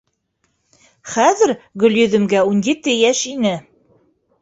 Хәҙер Гөлйөҙөмгә ун ете йәш ине.